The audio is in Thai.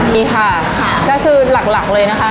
นี่ค่ะก็คือหลักเลยนะคะ